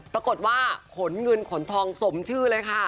ปรากฏว่าขนเงินขนทองสมชื่อเลยค่ะ